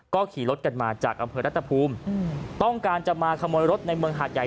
ก็ขี่รถกันมาจากอำเภอรัฐภูมิต้องการจะมาขโมยรถในเมืองหาดใหญ่